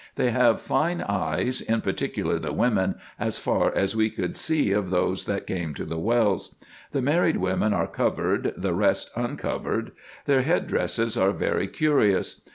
They have fine eyes, in particular the women, as far as we could see of those that came to the wells. The married women are covered, the rest uncovered. Their head dresses are very curious.